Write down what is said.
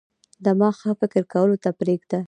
دماغ ښه فکر کولو ته پریږدي.